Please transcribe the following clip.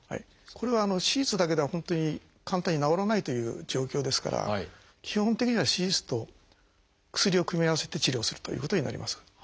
これは手術だけでは本当に簡単に治らないという状況ですから基本的には手術と薬を組み合わせて治療するということになります。